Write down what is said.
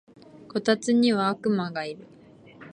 こたつには悪魔がいる